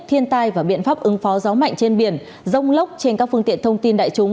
thiên tai và biện pháp ứng phó gió mạnh trên biển rông lốc trên các phương tiện thông tin đại chúng